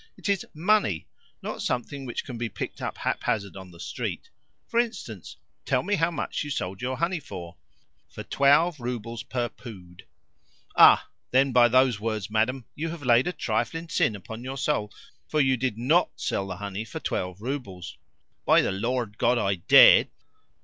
it is MONEY, not something which can be picked up haphazard on the street. For instance, tell me how much you sold your honey for?" "For twelve roubles per pood." "Ah! Then by those words, madam, you have laid a trifling sin upon your soul; for you did NOT sell the honey for twelve roubles." "By the Lord God I did!"